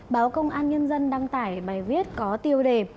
báo công an nhân dân đăng tải bài viết có tiêu đề